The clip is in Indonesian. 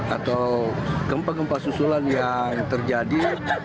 atau gempa gempa susulan yang terjadi